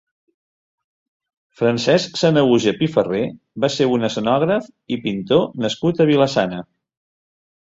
Francesc Sanahuja Pifarré va ser un escenògraf i pintor nascut a Vila-sana.